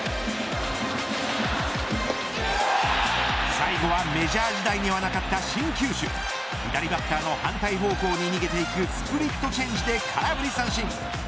最後は、メジャー時代にはなかった新球種左バッターの反対方向に逃げていくスプリットチェンジで空振り三振。